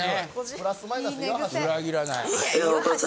・プラス・マイナス岩橋・裏切らない。